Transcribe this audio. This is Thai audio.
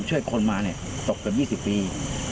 ผมช่วยคนละนี่ตกกับ๒๐ปี